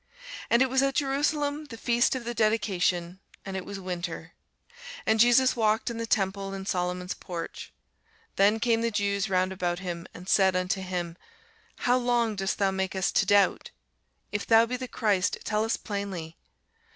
And it was at Jerusalem the feast of the dedication, and it was winter. And Jesus walked in the temple in Solomon's porch. Then came the Jews round about him, and said unto him, How long dost thou make us to doubt? If thou be the Christ, tell us plainly.